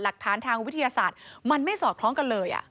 หลักฐานทางวิทยาศาสตร์มันไม่สอดคล้องกันเลย